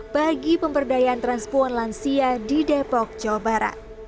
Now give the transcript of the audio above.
bagi pemberdayaan transpuan lansia di depok jawa barat